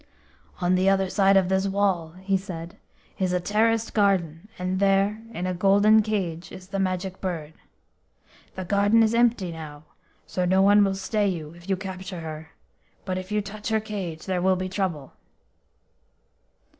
"On the other side of this wall," he said, "is a terraced garden, and there, in a golden cage, is the Magic Bird. The garden is empty now, so no one will stay you if you capture her; but if you touch her cage there will be trouble."